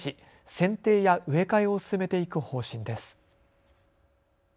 せんていや植え替えを進めていく方針です。